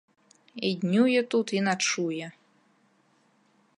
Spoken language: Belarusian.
І днюе тут, і начуе.